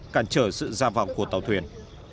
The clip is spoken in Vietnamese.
cản trở sự ra vào của tàu thuyền